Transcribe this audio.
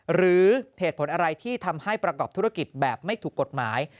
หรือเหตุผลอะไรที่ทำให้ประกอบธุรกิจแบบไม่ถูกกฎหมาย